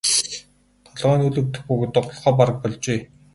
Толгой нь үл өвдөх бөгөөд доголохоо бараг больжээ.